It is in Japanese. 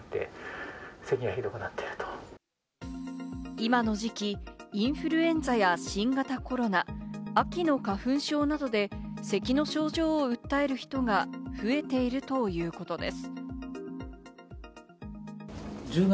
今の時期、インフルエンザや新型コロナ、秋の花粉症などで咳の症状を訴える人が増えているということです。